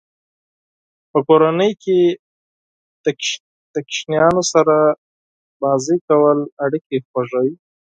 په کورنۍ کې د کوچنیانو سره لوبې کول اړیکې خوږوي.